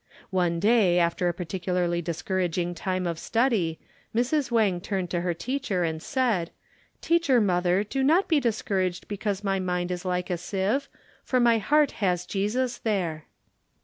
One day after a particularly discouraging time of study, Mrs. Wang turned to her teacher and said, "Teacher Mother, do not be discouraged because my mind is like a sieve, for my heart has Jesus there."